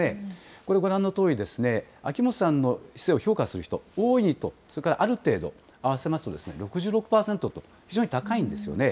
これ、ご覧のとおり、秋元さんの市政を評価する人、大いにと、それからある程度、合わせますと６６％と、非常に高いんですよね。